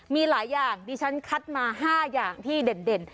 มีหลายอย่างดิฉันคัดมา๕อย่างที่เด่น